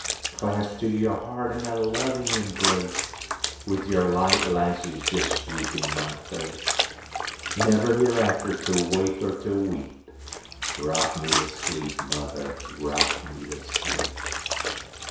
Clasped to your heart in a loving embrace, With your light lashes just sweeping my face, Never hereafter to wake or to weep;—Rock me to sleep, mother,—rock me to sleep!